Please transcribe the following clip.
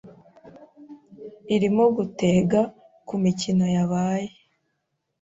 irimo gutega ku mikino yabaye